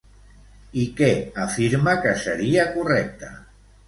I què afirma que seria correcte?